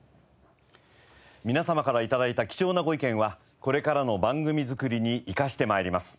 皆様から頂いた貴重なご意見はこれからの番組作りに生かして参ります。